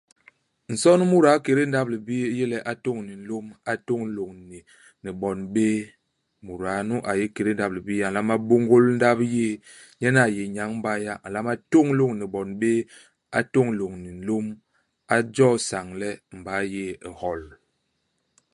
Nson u muda ikédé ndap-libii u yé le, a tôñ ni nlôm, a tôñ lôñni ni bon béé. Muda nu a yé ikédé ndap-libii a nlama bôngôl ndap yéé. Nyen a yé nyañ-mbay ha. A nlama tôñ lôñni bon béé. A tôñ lôñni nlôm. A jo'o sañ le mbay yéé i hol.